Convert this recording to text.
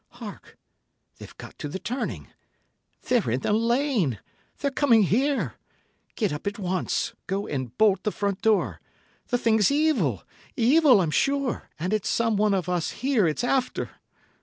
Hark! They've got to the turning—they're in the lane—they're coming here! Get up at once; go and bolt the front door. The thing's evil—evil, I'm sure, and it's someone of us here it's after."